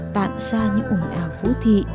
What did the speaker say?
tạm xa những ổn ào phố thị